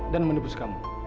dan menembus kamu